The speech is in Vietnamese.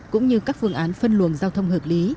cũng như các phương án phân luồng giao thông hợp lý